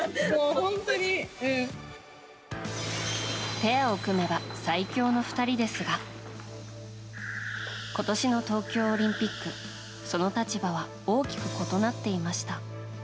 ペアを組めば最強の２人ですが今年の東京オリンピックその立場は大きく異なっていました。